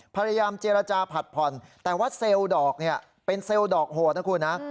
พยายามเจรจาผัดผ่อนแต่ว่าเซลล์ดอกเนี่ยเป็นเซลล์ดอกโหดนะคุณนะ